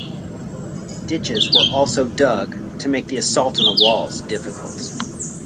Ditches were also dug to make assault on the walls difficult.